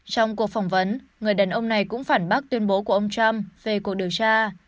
trong cuộc phỏng vấn người đàn ông này cũng phản bác tuyên bố của ông trump về cuộc điều tra